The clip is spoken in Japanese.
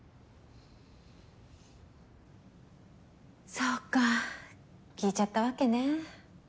そうか聞いちゃったわけね。